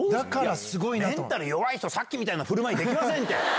メンタル弱い人、さっきみたいなふるまいできませんって。